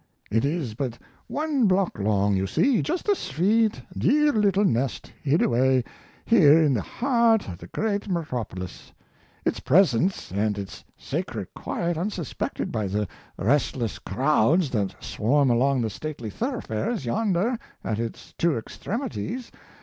It is but one block long, you see, just a sweet, dear little nest hid away here in the heart of the great metropolis, its presence and its sacred quiet unsuspected by the restless crowds that swarm along the stately thoroughfares yonder at its two extremities.